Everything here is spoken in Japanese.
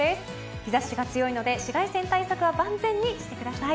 日差しが強いので紫外線対策は万全にしてください。